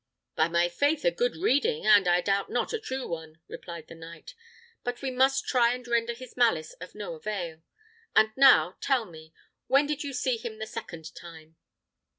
"By my faith! a good reading, and, I doubt not, a true one," replied the knight; "but we must try and render his malice of no avail. And now, tell me, when did you see him the second time?"